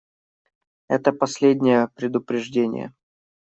Это последнее предупреждение.